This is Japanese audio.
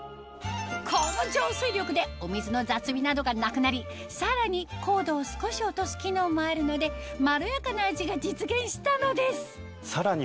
この浄水力でお水の雑味などがなくなりさらに硬度を少し落とす機能もあるのでまろやかな味が実現したのですさらに